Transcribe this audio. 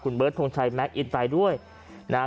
คุณเบิร์ดทรงชัยแม็กอินต์ไปด้วยนะฮะ